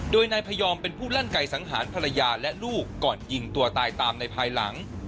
โดยนายพยอมเป็นผู้ลั่นไก่สังหารภรรยาและลูกก่อนยิงตัวตายตามในภายหลัง